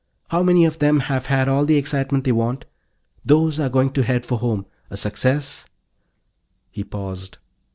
How many of them have had all the excitement they want? Those are going to head for home. A success " He paused.